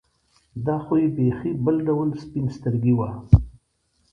دا خو یې بېخي بل ډول سپین سترګي وه.